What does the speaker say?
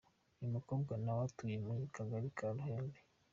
Uyu mukobwa na we atuye mu Kagari ka Ruhembe.